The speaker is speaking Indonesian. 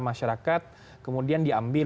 masyarakat kemudian diambil